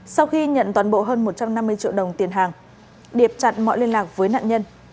sau khi nhận toàn bộ hơn một trăm năm mươi triệu đồng tiền hàng điệp chặn mọi liên lạc với nạn nhân